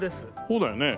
そうだよね。